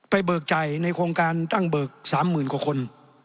เบิกจ่ายในโครงการตั้งเบิก๓๐๐๐กว่าคน